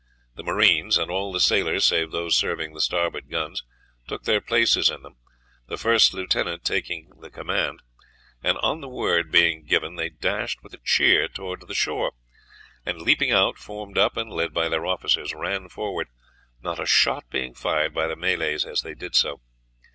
The marines and all the sailors, save those serving the starboard guns, took their places in them, the first lieutenant taking the command, and on the word being given they dashed with a cheer towards the shore, and, leaping out, formed up, and led by their officers ran forward, not a shot being fired by the Malays as they did so.